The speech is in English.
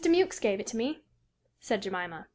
Mewks gave it me," said Jemima.